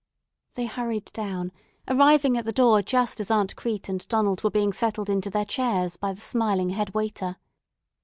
They hurried down, arriving at the door just as Aunt Crete and Donald were being settled into their chairs by the smiling head waiter.